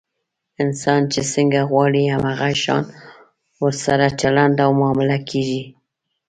انسان چې څنګه غواړي، هم هغه شان ورسره چلند او معامله کېږي.